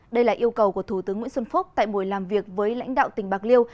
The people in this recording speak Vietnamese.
đây là yêu cầu của thủ tướng nguyễn xuân phúc tại buổi làm việc với lãnh đạo tỉnh bạc liêu